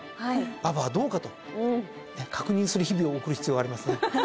馬場はどうかと確認する日々を送る必要があります。